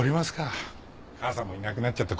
母さんもいなくなっちゃったことだし。